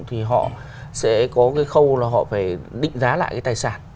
thì họ sẽ có cái khâu là họ phải định giá lại cái tài sản